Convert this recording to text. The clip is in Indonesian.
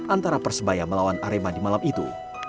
antara persebaya melawan arema di malam itu